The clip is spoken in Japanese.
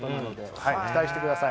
期待してください。